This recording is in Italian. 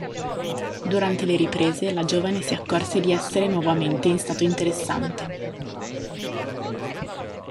Durante le riprese la giovane si accorse di essere nuovamente in stato interessante.